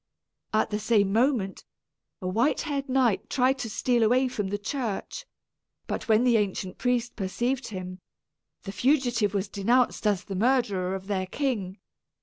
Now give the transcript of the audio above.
At the same moment, a white haired knight tried to steal away from the church; but when the ancient priest perceived him, the fugitive was denounced as the murderer of their king.